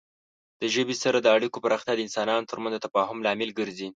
د ژبې سره د اړیکو پراختیا د انسانانو ترمنځ د تفاهم لامل ګرځي.